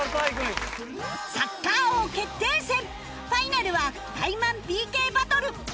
サッカー王決定戦ファイナルはタイマン ＰＫ バトル